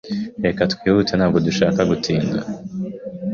Reka twihute Ntabwo dushaka gutinda